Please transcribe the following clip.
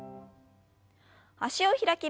脚を開きます。